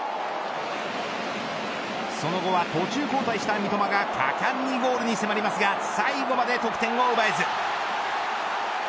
その後は途中交代した三笘が果敢にゴールに迫りますが最後まで得点を奪えず。